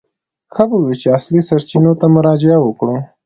ښه به وي چې اصلي سرچینو ته مراجعه وکړو.